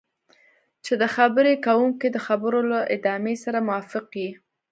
چې د خبرې کوونکي د خبرو له ادامې سره موافق یې.